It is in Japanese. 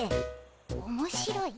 おもしろい？